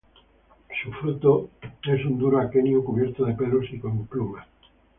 Su fruto es un duro aquenio cubierto de pelos y con un plumas.